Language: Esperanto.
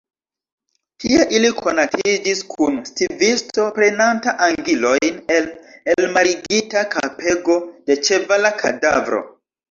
Tie ili konatiĝis kun stivisto, prenanta angilojn el elmarigita kapego de ĉevala kadavro.